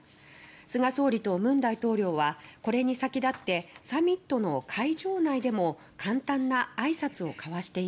菅総理と文大統領はこれに先立ってサミットの会場内でも簡単な挨拶を交わしています。